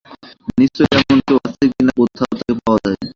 নিশ্চয়ই তেমন কেউ আছে, কিন্তু কোথায় তাকে পাওয়া যায়?